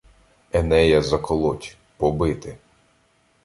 Енея заколоть, побити